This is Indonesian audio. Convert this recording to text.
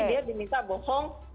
tapi dia diminta bohong